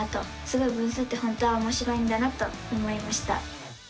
すごい分数って本当はおもしろいんだなと思いました！